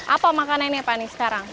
apa makannya ini pak sekarang